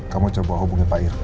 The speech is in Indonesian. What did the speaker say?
kamu coba hubungi pak ir